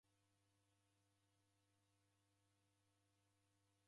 Kuhee iyo kaung'a Mao!